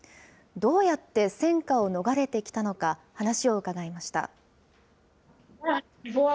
どうやって戦禍を逃れてきたのか、話を伺いました。